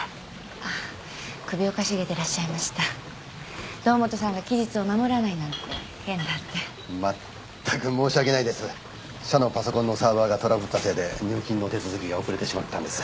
ああ首をかしげてらっしゃいました堂本さんが期日を守らないなんて変だってまったく申し訳ないです社のパソコンのサーバーがトラブったせいで入金の手続きが遅れてしまったんです